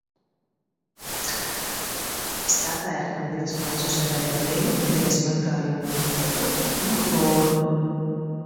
Sapērkam divus maisus ar ēdienu, veļas mazgājamo līdzekli un hloru.